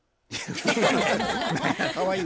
かわいい。